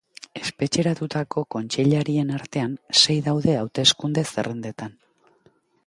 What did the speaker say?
Espetxeratutako kontseilarien artean, sei daude hauteskunde-zerrendetan.